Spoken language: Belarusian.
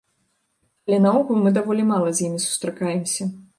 Але наогул мы даволі мала з імі сустракаемся.